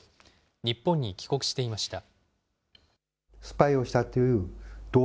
日本に帰国していました。